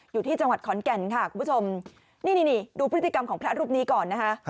อยู่ที่จังหวัดขอนแก่นค่ะคุณผู้ชมนี่นี่ดูพฤติกรรมของพระรูปนี้ก่อนนะคะ